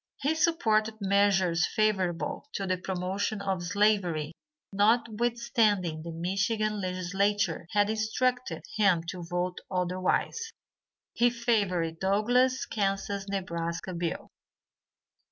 He supported measures favorable to the promotion of slavery notwithstanding the Michigan legislature had instructed him to vote otherwise. He favored Douglass' Kansas Nebraska bill.